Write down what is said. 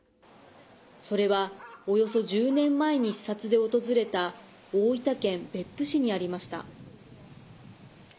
それは、およそ１０年前に視察で訪れた大分県別府市にありました。